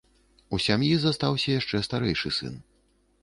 У сям'і застаўся яшчэ старэйшы сын.